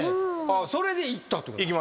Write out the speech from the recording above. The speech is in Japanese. それで行ったってことですか？